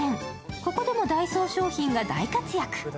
ここでもダイソー商品が大活躍。